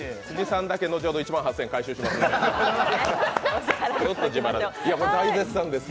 辻さんだけ後ほど１万８０００円回収します。